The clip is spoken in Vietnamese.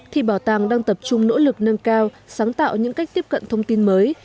thì bảo tàng đang tập trung nỗ lực nâng cao sáng tạo những cách tiếp cận thông tin mới